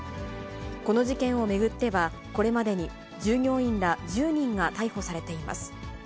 この事件を巡っては、これまでに従業員ら１０人が逮捕されています。